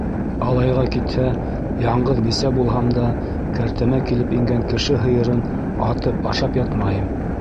Алайға китһә, яңғыҙ бисә булһам да, кәртәмә килеп ингән кеше һыйырын атып ашап ятмайым!